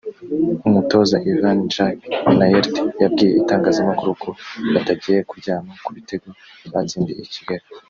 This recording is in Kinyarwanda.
umutoza Ivan Jacky Minnaert yabwiye itangazamakuru ko batagiye kuryama ku bitego batsindiye i Kigali